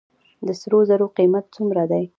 د سرو زرو قیمت څومره دی؟